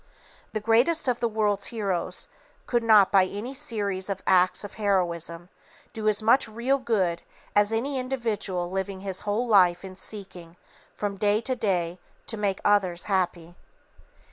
The greatest of the world's heroes could not by any series of acts of heroism do as much real good as any individual living his whole life in seeking, from day to day, to make others happy.